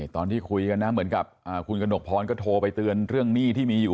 ตอนที่คุยกันนะเหมือนกับคุณกระหนกพรก็โทรไปเตือนเรื่องหนี้ที่มีอยู่